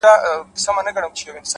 نیک چلند د دوستۍ ریښې ژوروي.!